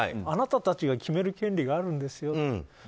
あなたたちが決める権利があるんですよと。